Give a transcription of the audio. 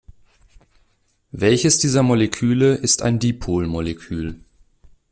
Welches dieser Moleküle ist ein Dipolmolekül?